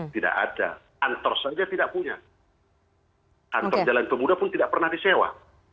tidak ada kantor saja tidak punya kantor jalan pemuda pun tidak pernah disewa